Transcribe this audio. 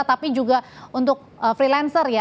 tapi juga untuk freelancer ya